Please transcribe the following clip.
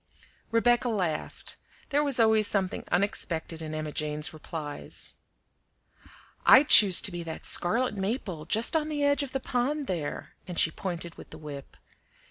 Rebecca laughed. There was always something unexpected in Emma Jane's replies. "I'd choose to be that scarlet maple just on the edge of the pond there," and she pointed with the whip.